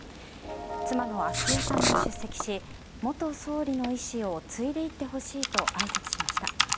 妻の昭恵さんも出席し元総理の遺志を継いでいってほしいとあいさつしました。